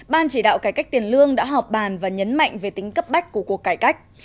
ban chỉ đạo cải cách tiền lương đã họp bàn và nhấn mạnh về tính cấp bách của cuộc cải cách